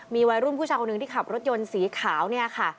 มีวัยรุ่นผู้ชายคนหนึ่งที่ขับรถยนต์สีขาวเนี่ยค่ะ